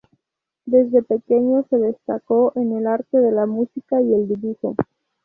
Desde pequeño se destacó en el arte de la música y el dibujo.